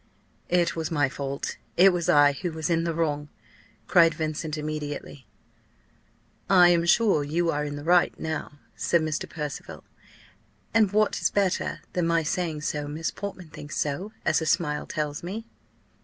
"It was my fault it was I who was in the wrong," cried Vincent immediately. "I am sure you are in the right, now," said Mr. Percival; "and, what is better than my saying so, Miss Portman thinks so, as her smile tells me."